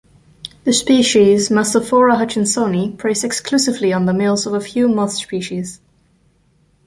The species "Mastophora hutchinsoni" preys exclusively on the males of a few moth species.